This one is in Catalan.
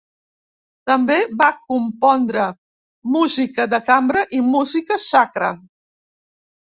També va compondre música de cambra i música sacra.